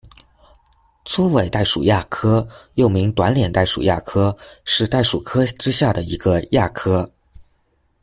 粗尾袋鼠亚科，又名短脸袋鼠亚科，是袋鼠科之下的一个亚科。